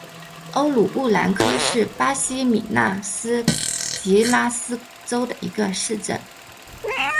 欧鲁布兰科是巴西米纳斯吉拉斯州的一个市镇。